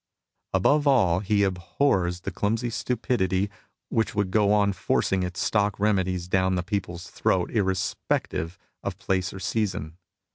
Above all, he abhors the clumsy stupidity which would go on forcing its stock remedies down the people's throat irrespective of place or season.